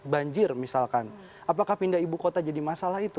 banjir misalkan apakah pindah ibu kota jadi masalah itu